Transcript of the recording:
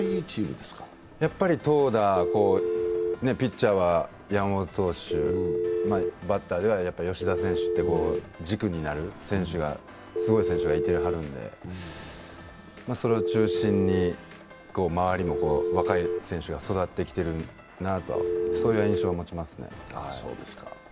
やっぱり投打ピッチャーは山本投手バッターでは吉田選手って、軸になるすごい選手がいてはるんで、それを中心に周りも、若い選手が育ってきてるなと、そういう印象を持ちますね。